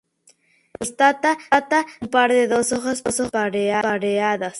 Constan de un par de dos hojas pareadas.